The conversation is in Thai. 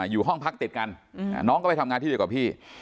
อยู่ห้องพักติดกันน้องก็ไปทำงานที่เดียวกับพี่